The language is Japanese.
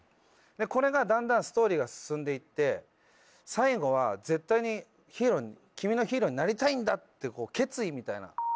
これがだんだんストーリーが進んで行って最後は絶対に君のヒーローになりたいんだって決意みたいな。